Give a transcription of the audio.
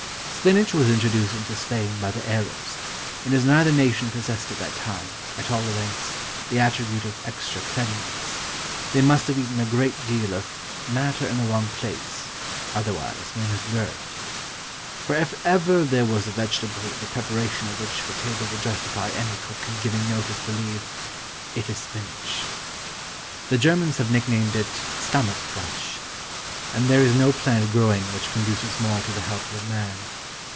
Spinach was introduced into Spain by the Arabs, and as neither nation possessed at that time, at all events, the attribute of extra cleanliness, they must have eaten a great deal of "matter in the wrong place," otherwise known as dirt. For if ever there was a vegetable the preparation of which for table would justify any cook in giving notice to leave, it is spinach. The Germans have nick named it "stomach brush," and there is no plant growing which conduces more to the health of man.